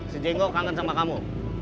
sejenggo kangen sama kamu